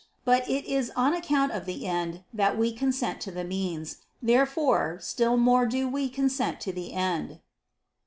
But it is on account of the end that we consent to the means. Therefore, still more do we consent to the end.